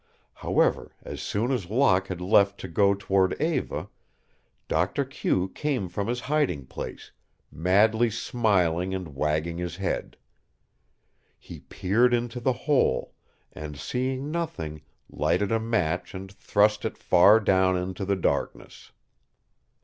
However, as soon as Locke had left to go toward Eva, Doctor Q came from his hiding place, madly smiling and wagging his head. He peered into the hole and, seeing nothing, lighted a match and thrust it far down into the darkness.